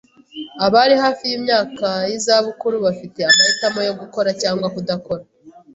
Abari hafi yimyaka yizabukuru bafite amahitamo yo gukora cyangwa kudakora.